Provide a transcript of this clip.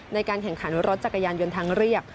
ในการแข่งขันรถจักรยานยนต์ทางเรียบ